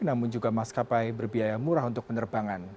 namun juga maskapai berbiaya murah untuk penerbangan